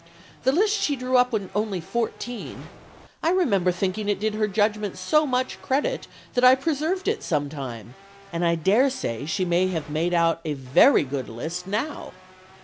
The list she drew up when only fourteen I remember thinking it did her judgment so much credit, that I preserved it some time, and I dare say she may have made out a very good list now.